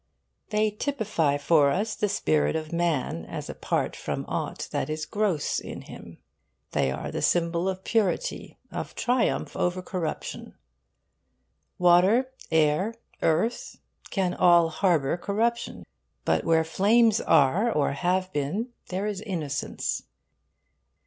They typify for us the spirit of man, as apart from aught that is gross in him. They are the symbol of purity, of triumph over corruption. Water, air, earth, can all harbour corruption; but where flames are, or have been, there is innocence.